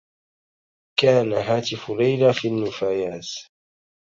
كان هاتف ليلى في النّفايات.